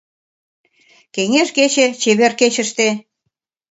Кеҥеж кече чевер кечыште